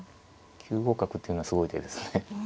これは９五角っていうのはすごい手ですね。